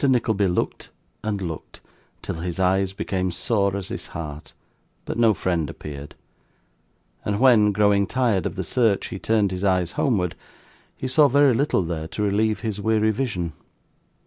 Nickleby looked, and looked, till his eyes became sore as his heart, but no friend appeared; and when, growing tired of the search, he turned his eyes homeward, he saw very little there to relieve his weary vision.